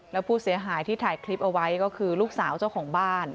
แล้วผู้เสียหายที่ถ่ายคลิปเอาไว้ก็คือลูกสาวเจ้าของบ้าน